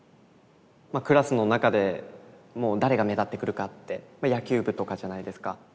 まあクラスの中でもう誰が目立ってくるかって野球部とかじゃないですか。